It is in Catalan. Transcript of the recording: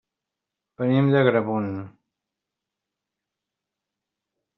Venim d'Agramunt.